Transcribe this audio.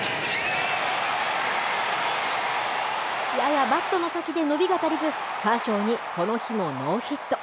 ややバットの先で伸びが足りず、カーショーにこの日もノーヒット。